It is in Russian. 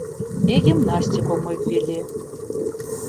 И гимнастику мы ввели.